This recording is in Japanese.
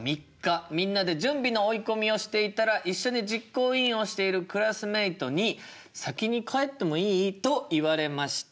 みんなで準備の追い込みをしていたら一緒に実行委員をしているクラスメートに「先に帰ってもいい？」と言われました。